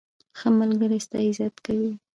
ښه ملګری ستا عزت کوي.